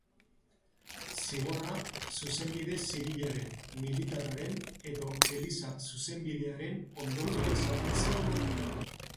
Zigorra zuzenbide zibilaren, militarraren edo eliza zuzenbidearen ondorioa izaten zen.